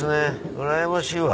うらやましいわ。